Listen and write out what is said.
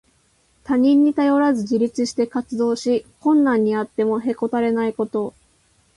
他人に頼らず自立して活動し、困難にあってもへこたれないこと。